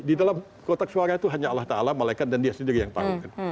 di dalam kotak suara itu hanya allah ta'ala malaikat dan dia sendiri yang tanggung